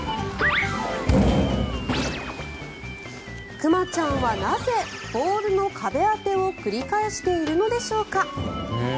熊ちゃんはなぜボールの壁当てを繰り返しているのでしょうか。